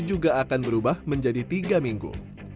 juga akan berubah menjadi tiga minggu